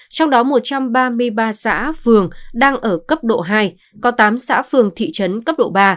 trong đó một trăm ba mươi ba xã phường đang ở cấp độ hai có tám xã phường thị trấn cấp độ ba